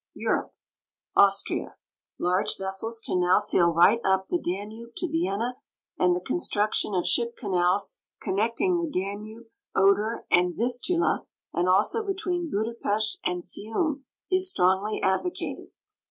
EUROPE Austria. Large vessels can now sail right up the Danube to Vienna, and tlie construction of ship canals connecting the Danube, Oder, and Vistula, and also between Budapest and Fiume, is strongly advocated.